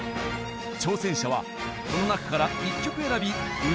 挑戦者はこの中から１曲選び歌い上げる。